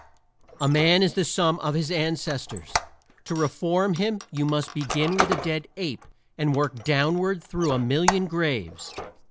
A man is the sum of his ancestors; to reform him you must begin with a dead ape and work downward through a million graves.